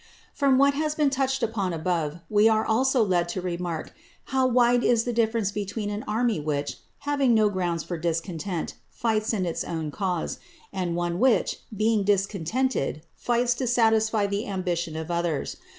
_ From what has been touched upon above, we are also led to remark how wide is the difference between an army which, having no ground for discontent, fights in its own cause, and one which, being discontented, fights to satisfy the ambition of others.